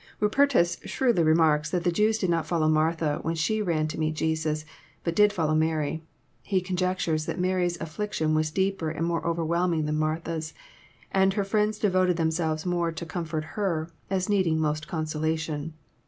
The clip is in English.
Rupertus shrewdly remarks that the Jews did not follow Martha, when she ran to meet Jesus, but did follow Mary. He conjectures that Mary's affliction was deeper and more over whelming than Martha*s, and her friends devoted themselves more to comfort her, as needing most consolation.